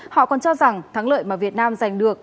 họ còn cho rằng thắng lợi mà việt nam giành được